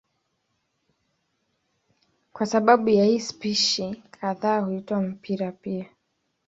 Kwa sababu ya hii spishi kadhaa huitwa mpira pia.